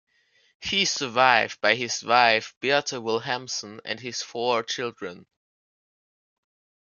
He is survived by his wife Bertha Williamson and his four children.